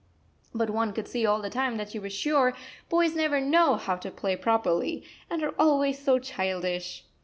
But one could see all the time that she was sure boys never know how to play properly, and are always so childish!